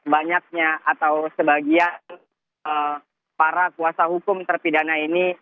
banyaknya atau sebagian para kuasa hukum terpidana ini